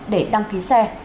để đăng ký xe